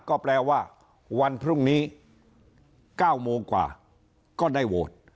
ก็แปลว่าวันพรุ่งนี้๙โมงกว่าก็ได้โหวต